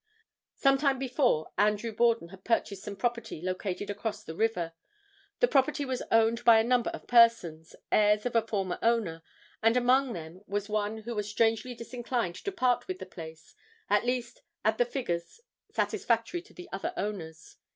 Some time before Andrew Borden had purchased some property located across the river. This property was owned by a number of persons, heirs of a former owner, and among them was one who was strangely disinclined to part with the place, at least at the figures satisfactory to the other owners.